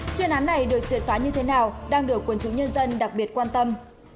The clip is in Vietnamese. chuyên án này được triệt phá như thế nào đang được quân chúng nhân dân đặc biệt quan tâm